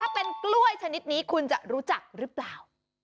ถ้าเป็นกล้วยชนิดนี้คุณจะรู้จักหรือเปล่า